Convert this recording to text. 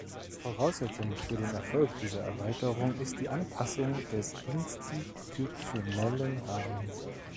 Voraussetzung für den Erfolg dieser Erweiterung ist die Anpassung des institutionellen Rahmens.